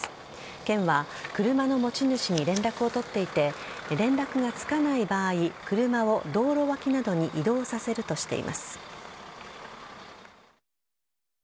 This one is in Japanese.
県は車の持ち主に連絡を取っていて連絡がつかない場合車を道路脇などに移動させるとしています。